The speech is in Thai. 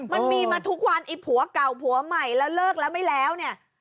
มันมีมาทุกวันไอ้ผัวเก่าผัวใหม่แล้วเลิกแล้วไม่แล้วเนี่ย